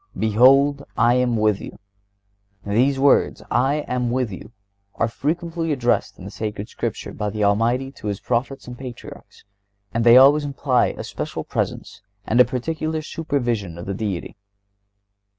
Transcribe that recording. "Behold, I am with you." These words, "I am with you," are frequently addressed in Sacred Scripture by the Almighty to His Prophets and Patriarchs, and they always imply a special presence and a particular supervision of the Deity.